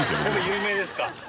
有名です。